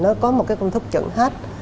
nó có một công thức chẩn hết